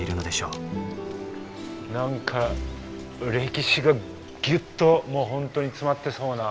何か歴史がギュッともう本当に詰まってそうな。